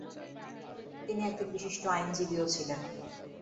তিনি একজন বিশিষ্ট আইনজীবীও ছিলেন।